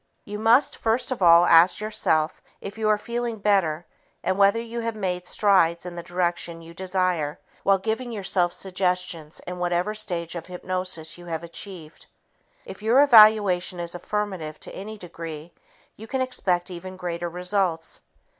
You must, first of all, ask yourself if you are feeling better and whether you have made strides in the direction you desire while giving yourself suggestions in whatever stage of hypnosis you have achieved. If your evaluation is affirmative to any degree, you can expect even greater results.